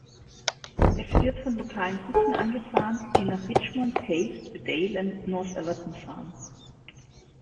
Es wird von lokalen Bussen angefahren, die nach Richmond, Hawes, Bedale und Northallerton fahren.